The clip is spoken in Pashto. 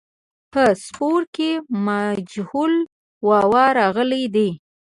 په سپور کې مجهول واو راغلی دی.